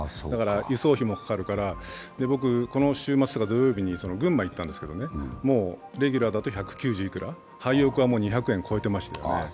輸送費もかかるから、この週末とか土曜日に群馬に行ったんですけど、もうレギュラーだと百九十いくら、ハイオクだともう２００円超えてました、